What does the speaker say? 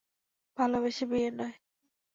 ভালোবেসে বিয়ে নয়।